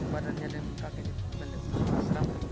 badannya dan kakinya pendek